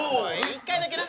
一回だけな。